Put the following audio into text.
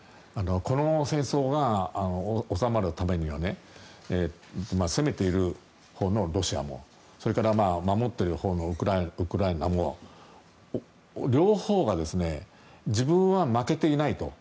この戦争が収まるためには攻めているほうのロシアもそれから守っているほうのウクライナも両方が自分は負けていないと。